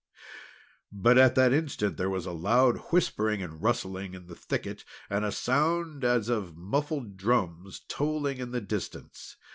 But at that instant there was a loud whispering, and a rustling, in the thicket, and a sound as of muffled drums tolling in the distance.